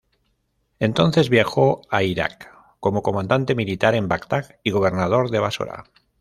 Entonces viajó a Iraq como Comandante Militar en Bagdad y Gobernador de Basora.